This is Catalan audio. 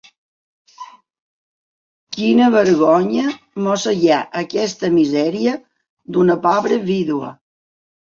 Quina vergonya mossegar aquesta misèria d'una pobra vídua!